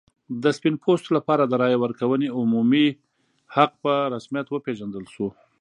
د سپین پوستو لپاره د رایې ورکونې عمومي حق په رسمیت وپېژندل شو.